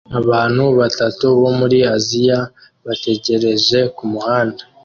Abantu batatu bo muri Aziya bategereje kumuhanda